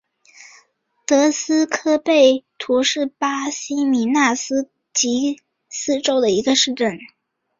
德斯科贝图是巴西米纳斯吉拉斯州的一个市镇。